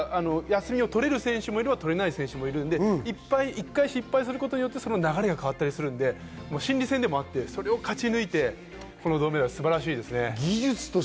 休みを取れる選手もいれば、取れない選手もいて、１回失敗することによって流れが変わったりするので心理戦でもあって、それを勝ち抜いて銅メダル、素晴らしいですね。